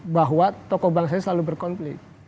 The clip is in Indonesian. bahwa tokoh bangsa ini selalu berkonflik